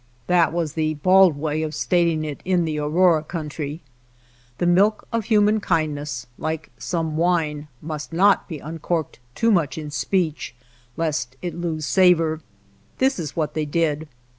That was the bald way of stating it in the Aurora country. The milk of human kindness, like some wine, must not' be uncorked too much in speech lest it lose savor. This is what they did.